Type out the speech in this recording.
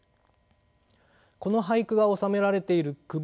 この俳句が収められている句